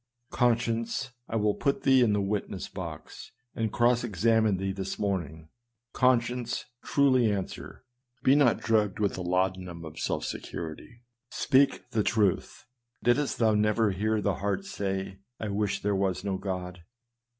Conscience, I will put thee in the witness box, and cross examine thee this morning ! Conscience, truly answer ! be not drugged with the laudanum of self security ! speak the truth ! Didst thou never hear the heart say, " I wish there were no God